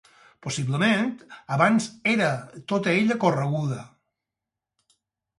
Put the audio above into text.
Possiblement abans era tota ella correguda.